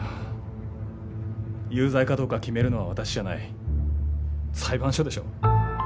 有罪かどうか決めるのは私じゃない裁判所でしょ